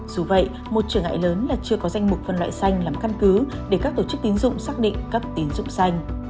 dù vậy một trở ngại lớn là chưa có danh mục phân loại xanh làm căn cứ để các tổ chức tín dụng xác định cấp tín dụng xanh